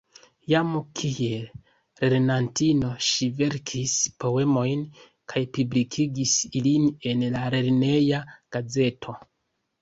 Jam kiel lernantino ŝi verkis poemojn kaj publikigis ilin en la lerneja gazeto.